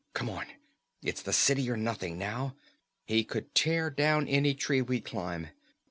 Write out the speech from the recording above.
Come on! It's the city or nothing now! He could tear down any tree we'd climb.